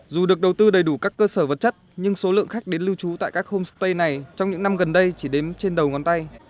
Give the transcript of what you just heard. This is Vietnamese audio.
dù được đầu tư đầy đủ các cơ sở vật chất nhưng số lượng khách đến lưu trú tại các homestay này trong những năm gần đây chỉ đếm trên đầu ngón tay